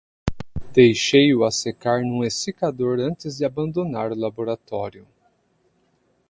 Deixei-o a secar num exsicador antes de abandonar o laboratório